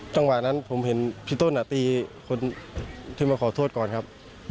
ต้องกว่านั้นผมเห็นพี่โต้หนาตีคนหลังถึงขอโทษก่อนครับ